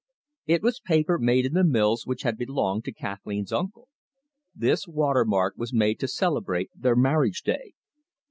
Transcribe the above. It was paper made in the mills which had belonged to Kathleen's uncle. This water mark was made to celebrate their marriage day.